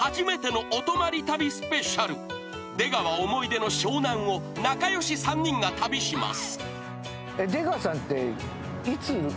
［出川思い出の湘南を仲良し３人が旅します］